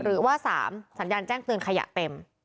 หรือว่า๓สัญญาณแจ้งเตือนขยะเต็ม